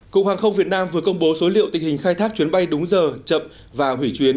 cục hàng không việt nam vừa công bố số liệu tình hình khai thác chuyến bay đúng giờ chậm và hủy chuyến